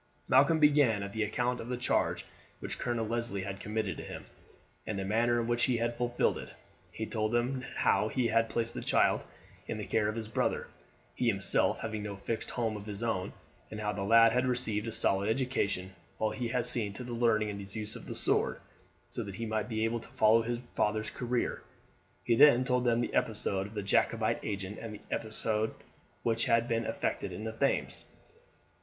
Malcolm began at the account of the charge which Colonel Leslie had committed to him, and the manner in which he had fulfilled it. He told them how he had placed the child in the care of his brother, he himself having no fixed home of his own, and how the lad had received a solid education, while he had seen to his learning the use of his sword, so that he might be able to follow his father's career. He then told them the episode of the Jacobite agent, and the escape which had been effected in the Thames.